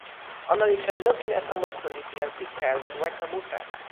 ona li ken lukin e tomo suli pi jan ike lon weka mute.